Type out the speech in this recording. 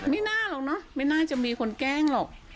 ไม่น่าหรอกเนอะไม่น่าจะมีคนแกล้งหรอก